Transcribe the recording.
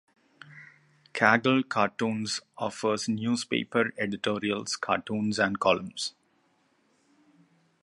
Cagle Cartoons offers newspaper editorial cartoons and columns.